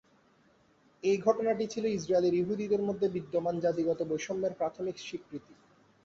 এই ঘটনাটি ছিল ইসরায়েলি ইহুদিদের মধ্যে বিদ্যমান জাতিগত বৈষম্যের প্রাথমিক স্বীকৃতি।